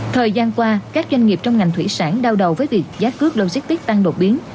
thời gian qua các doanh nghiệp trong ngành thủy sản đau đầu với việc giá cước logistics tăng đột biến